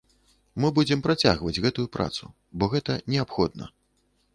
Мы будзем працягваць гэтую працу, бо гэта неабходна.